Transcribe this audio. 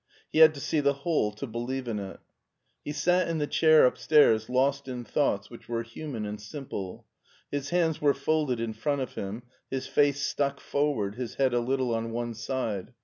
He had to see the whole to believe in it He sat in the chair upstairs lost in thoughts which were human and simple. His hands were folded in front of him, his face stuck forward, his head a little on one side.